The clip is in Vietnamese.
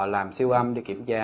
làm siêu âm để kiểm tra